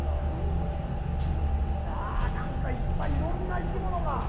あぁ、なんか、いっぱい、いろんな生き物が。